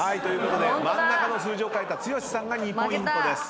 真ん中の数字を書いた剛さんが２ポイントです。